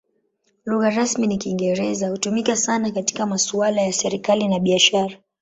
Lugha rasmi ni Kiingereza; hutumika sana katika masuala ya serikali na biashara.